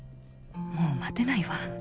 もう待てないわ。